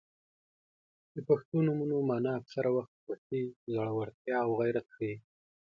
• د پښتو نومونو مانا اکثره وخت خوښي، زړورتیا او غیرت ښيي.